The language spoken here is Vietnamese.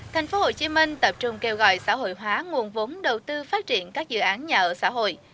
thành phố hồ chí minh tập trung kêu gọi xã hội hóa nguồn vốn đầu tư phát triển các dự án nhà ở xã hội